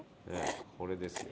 これですよ